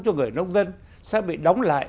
cho người nông dân sẽ bị đóng lại